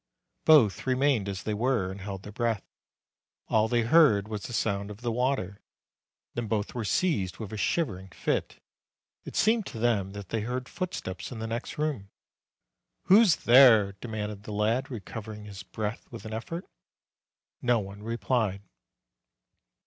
Both remained as they were, and held their breath. All they heard was the sound of the water. Then both were seized with a shivering fit. BLOOD OF ROMAGNA 193 It seemed to them that they heard footsteps in the next room. "Who's there?" demanded the lad, recovering his breath with an effort. No one replied.